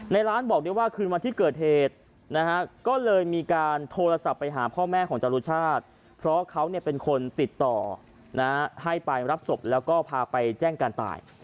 ร้านบอกได้ว่าคืนวันที่เกิดเหตุนะฮะก็เลยมีการโทรศัพท์ไปหาพ่อแม่ของจรุชาติเพราะเขาเป็นคนติดต่อให้ไปรับศพแล้วก็พาไปแจ้งการตาย